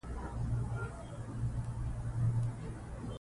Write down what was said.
مطرب وژلی، رباب ګونګی دی